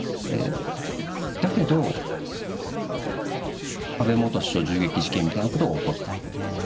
だけど、安倍元首相銃撃事件みたいなことが起こった。